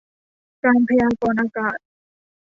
การพยากรณ์อากาศ